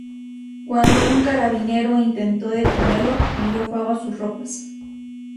Cuando un carabinero intentó detenerlo, prendió fuego a sus ropas.